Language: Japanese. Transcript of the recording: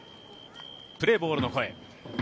プレーボールの声。